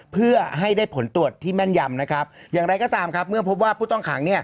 เพื่อให้ได้ผลตรวจที่แม่นยำนะครับอย่างไรก็ตามครับเมื่อพบว่าผู้ต้องขัง